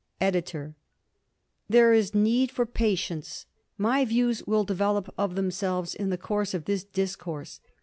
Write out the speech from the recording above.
EDITOR: There is need for patience. My views will develop of themselves in the course of this discourse.